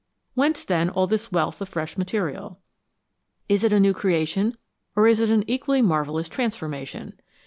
Whence, then, all this wealth of fresh material ? Is it a new creation, or is it an equally marvellous transformation